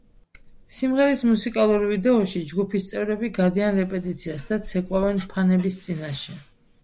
სიმღერის მუსიკალურ ვიდეოში ჯგუფის წევრები გადიან რეპეტიციას და ცეკვავენ ფანების წინაშე.